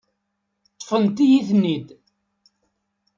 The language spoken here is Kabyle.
Ṭṭfent-iyi-ten-id.